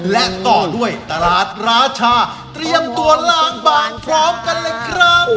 และต่อด้วยตลาดราชาเตรียมตัวล้างบานพร้อมกันเลยครับ